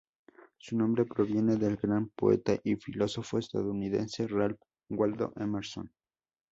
Su nombre proviene del gran poeta y filósofo estadounidense Ralph Waldo Emerson.